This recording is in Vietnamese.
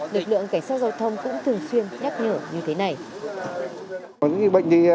lực lượng cảnh sát giao thông cũng thường xuyên nhắc nhở như thế này